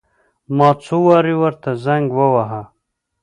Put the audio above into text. ما څو وارې ورته زنګ وواهه.